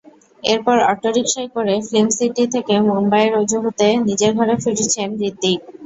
এরপর অটোরিকশায় করে film city থেকে মুম্বাইয়ের জুহুতে নিজের ঘরে ফিরেছেন হৃতিক।